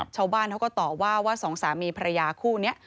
ชาวบ้านเขาก็ต่อว่าว่าสองสามีภรรยาคู่นี้